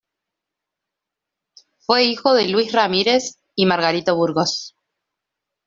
Fue hijo de Luis Ramírez y Margarita Burgos.